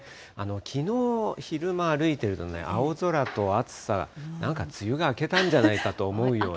きのう昼間、歩いていると、青空と暑さ、なんか梅雨が明けたんじゃないかと思うような。